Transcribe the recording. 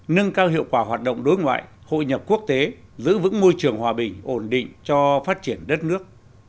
nâng cao hiệu quả hoạt động đối ngoại hội nhập quốc tế giữ vững môi trường hòa bình ổn định cho phát triển đất nước